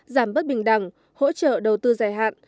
giảm bất bình đẳng hỗ trợ đầu tư dài hạn